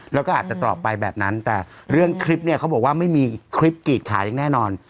แล้วก็อาจจะตอบไปแบบนั้นแต่เรื่องคลิปเนี่ยเขาบอกว่าไม่มีคลิปกรีดขาอย่างแน่นอน